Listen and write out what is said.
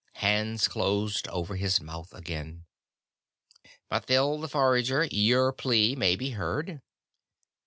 Hands closed over his mouth again. "Mathild the Forager, your plea may be heard."